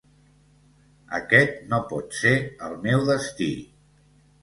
Aquest no pot ser el meu destí!